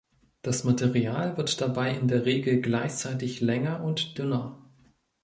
Das Material wird dabei in der Regel gleichzeitig länger und dünner.